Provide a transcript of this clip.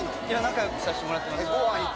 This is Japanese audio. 仲良くさせてもらってます。